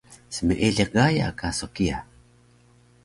smeeliq Gaya ka so kiya